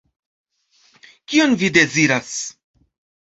Kion vi deziras?